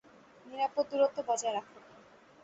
নিরাপদ দূরত্ব বজায় রাখ।